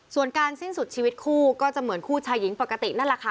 ส่วนการสิ้นสุดชีวิตคู่ก็จะเหมือนคู่ชายหญิงปกตินั่นแหละค่ะ